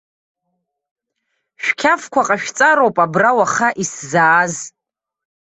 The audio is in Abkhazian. Шәқьафқәа ҟашәҵароуп абра уаха исзааз.